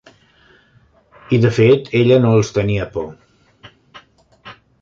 I, de fet, ella no els tenia por.